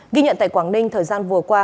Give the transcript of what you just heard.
ghi nhận tại quảng ninh thời gian vừa qua